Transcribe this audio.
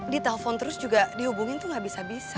ditelepon terus juga dihubungin tuh gak bisa bisa